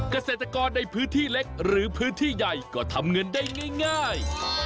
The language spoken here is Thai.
เกษตรกรในพื้นที่เล็กหรือพื้นที่ใหญ่ก็ทำเงินได้ง่าย